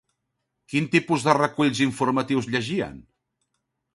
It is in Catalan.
Quins tipus de reculls informatius llegien?